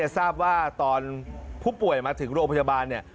ทราบว่าตอนผู้ป่วยมาถึงโรงพยาบาลเนี่ย